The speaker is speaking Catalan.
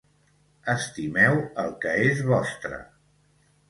Estimeu el que és vostre.